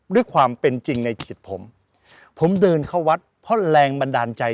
ด้วยความเป็นจริงในจิตผมผมเดินเข้าวัดเพราะแรงบันดาลใจ